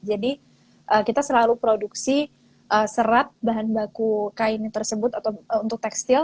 jadi kita selalu produksi serat bahan baku kain tersebut atau untuk tekstil itu yang sangat sustainable